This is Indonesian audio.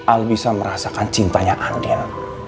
al bisa merasakan cintanya adil